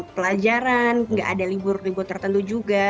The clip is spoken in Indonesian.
pelajaran nggak ada libur libur tertentu juga